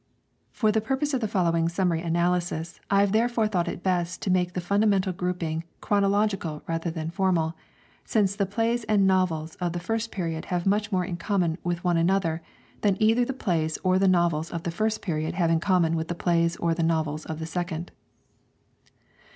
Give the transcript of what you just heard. For the purpose of the following summary analysis, I have therefore thought it best to make the fundamental grouping chronological rather than formal, since the plays and the novels of the first period have much more in common with one another than either the plays or the novels of the first period have in common with the plays or the novels of the second.